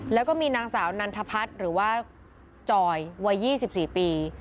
แล้วก็มีนางสาวนันทพัฒน์หรือว่าจอยวัย๒๔ปี